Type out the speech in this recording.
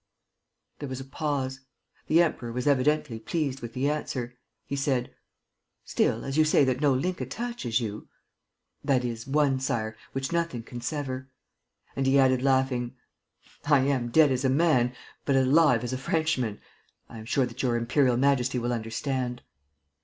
There was a pause. The Emperor was evidently pleased with the answer. He said: "Still, as you say that no link attaches you ..." "That is, one, Sire, which nothing can sever." And he added, laughing, "I am dead as a man, but alive as a Frenchman. I am sure that Your Imperial Majesty will understand."